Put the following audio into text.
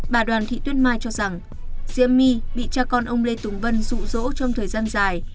bà đoàn thị tuyết mai cho rằng diễm my bị cha con ông lê tùng vân rụ rỗ trong thời gian dài